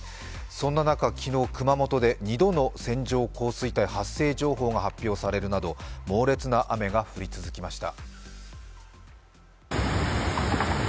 そんな中、昨日、熊本で２度の線状降水帯発生情報が発表されるなど猛烈な雨が降り続きました。